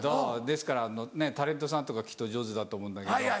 ですからタレントさんとかきっと上手だと思うんだけど。